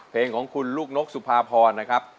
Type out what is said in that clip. เพลงของคุณลูกนกสุภาพรนะครับ